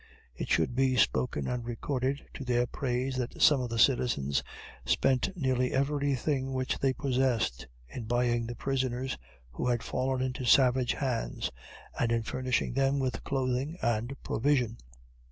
It should be spoken and recorded to their praise, that some of the citizens spent nearly every thing which they possessed in buying prisoners who had fallen into savage hands, and in furnishing them with clothing and provision.